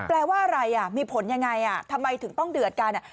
แปลว่าอะไรมีผลยังไงทำไมถึงต้องเดือดกัน